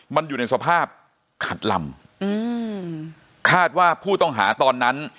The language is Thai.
มันอยู่ในสภาพขัดลำอืมคาดว่าผู้ต้องหาตอนนั้น